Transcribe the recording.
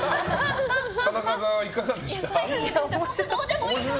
田中さんはいかがでしたか？